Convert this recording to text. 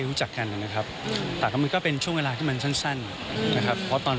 รู้จักกันนะครับแต่ก็มันก็เป็นช่วงเวลาที่มันสั้นนะครับเพราะตอน